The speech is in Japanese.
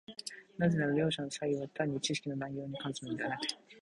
なぜなら両者の差異は単に知識の内容に関するのでなく、